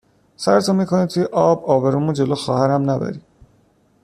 سرتو میکنی توی آب آبرومو جلو خواهرم نبری